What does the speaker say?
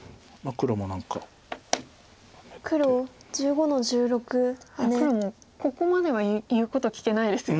黒もここまでは言うこと聞けないですよね。